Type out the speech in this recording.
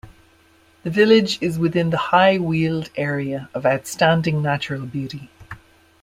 The village is within the High Weald Area of Outstanding Natural Beauty.